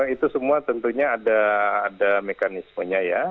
itu semua tentunya ada mekanismenya ya